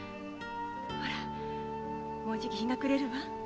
ほらもうじき日が暮れるわ。